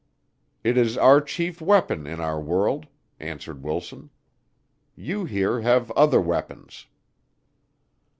"It is our chief weapon in our world," answered Wilson. "You here have other weapons."